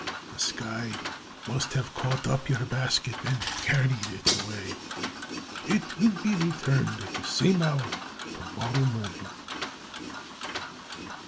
The sky must have caught up your basket and carried it away. It will be returned at the same hour tomorrow morning."